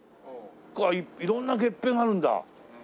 ああ色んな月餅があるんだ。